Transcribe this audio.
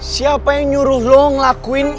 siapa yang nyuruh lo ngelakuin